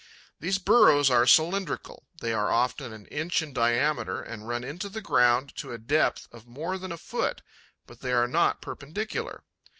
These burrows are cylindrical; they are often an inch in diameter and run into the ground to a depth of more than a foot; but they are not perpendicular.